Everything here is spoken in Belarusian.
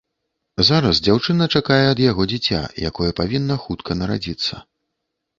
Зараз дзяўчына чакае ад яго дзіця, якое павінна хутка нарадзіцца.